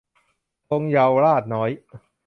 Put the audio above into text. ธงเยาวราชน้อย